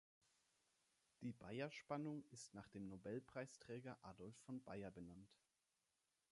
Die Baeyer-Spannung ist nach dem Nobelpreisträger Adolf von Baeyer benannt.